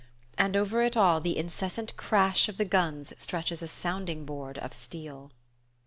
And over it all the incessant crash of the guns stretches a sounding board of steel.